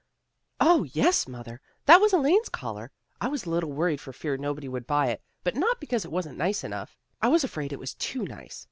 " 0, yes, mother. That was Elaine's collar. 132 PEGGY ACTS AS CRITIC 133 I was a little worried for fear nobody would buy it, but not because it wasn't nice enough. I was afraid it was too nice.